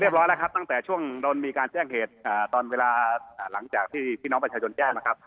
ร้อยแล้วครับตั้งแต่ช่วงโดนมีการแจ้งเหตุตอนเวลาหลังจากที่พี่น้องประชาชนแจ้งนะครับ